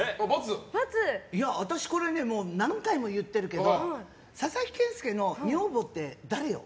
いや、私これは何回も言ってるけど佐々木健介の女房って誰よ？